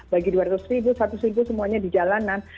bagi dua ratus ribu seratus ribu semuanya di jalanan